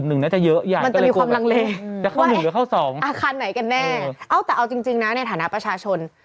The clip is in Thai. เอ๊ะแต่เอาจริงนะในฐานะประชาชน